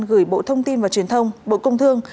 gửi bộ thông tin và truyền thông bộ công thương